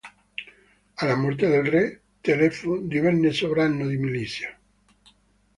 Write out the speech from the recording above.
Alla morte del re, Telefo divenne sovrano di Misia.